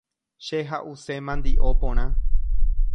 Che ha’use mandio porã.